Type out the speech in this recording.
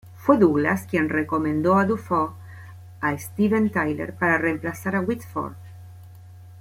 Fue Douglas quien recomendó a Dufay a Steven Tyler para reemplazar a Whitford.